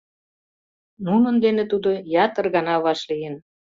Нунын дене тудо ятыр гана вашлийын.